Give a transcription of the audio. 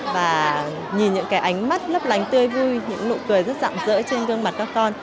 và nhìn những cái ánh mắt lấp lánh tươi vui những nụ cười rất dạng dỡ trên gương mặt các con